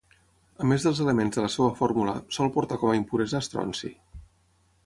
A més dels elements de la seva fórmula, sol portar com a impuresa estronci.